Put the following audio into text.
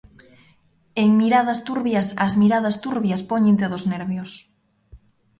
En Miradas turbias as miradas turbias póñente dos nervios.